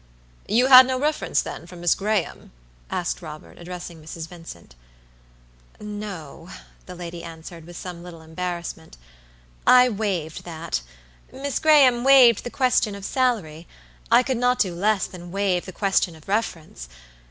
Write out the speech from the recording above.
"You had no reference, then, from Miss Graham?" asked Robert, addressing Mrs. Vincent. "No," the lady answered, with some little embarrassment; "I waived that. Miss Graham waived the question of salary; I could not do less than waive the question of reference.